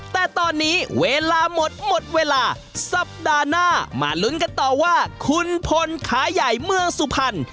แต่ตอนนี้เวลาหมดหมดเวลาสัปดาห์หน้ามาลุ้นกันต่อว่าคุณพลขาใหญ่เมืองสุพรรณ